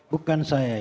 bukan saya ya